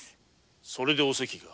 それでおせきが。